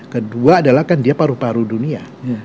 kedua adalah kan dia paru paru dunia